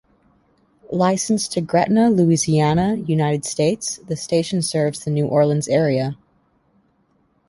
Licensed to Gretna, Louisiana, United States, the station serves the New Orleans area.